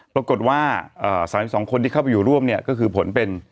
ปรากฏว่า๓๒คนที่เข้าไปอยู่ร่วมเนี่ยก็คือผลเป็น